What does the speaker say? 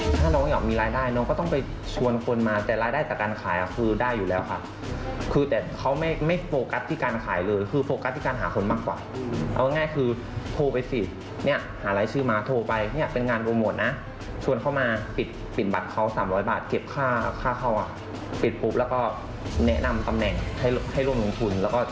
ถ้าน้องอยากมีรายได้น้องก็ต้องไปชวนคนมาแต่รายได้จากการขายคือได้อยู่แล้วค่ะคือแต่เขาไม่โฟกัสที่การขายเลยคือโฟกัสที่การหาคนมากกว่าเอาง่ายคือโทรไปสิเนี่ยหารายชื่อมาโทรไปเนี่ยเป็นงานโปรโมทนะชวนเข้ามาปิดปิดบัตรเขา๓๐๐บาทเก็บค่าค่าเข้าอ่ะปิดปุ๊บแล้วก็แนะนำตำแหน่งให้ให้ร่วมลงทุนแล้วก็